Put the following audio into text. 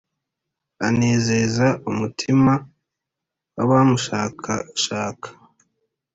anezeza umutima w’abamushakashaka.